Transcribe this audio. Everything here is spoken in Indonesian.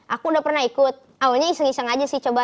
aku udah pernah ikut awalnya iseng iseng aja sih coba